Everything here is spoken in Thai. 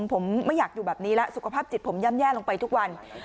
ผมไม่อยากอยู่แบบนี้แล้วสุขภาพจิตผมย่ำแย่ลงไปทุกวัน